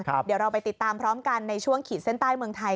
เดี๋ยวเราไปติดตามพร้อมกันในช่วงขีดเส้นใต้เมืองไทย